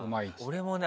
俺もね